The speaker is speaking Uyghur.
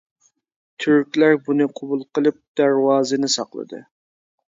تۈركلەر بۇنى قوبۇل قىلىپ دەرۋازىنى ساقلىدى.